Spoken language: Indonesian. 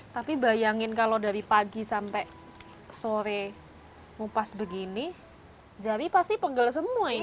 tapi bayangin kalau dari pagi sampai sore mengupas begini jari pasti pegal semua ini mak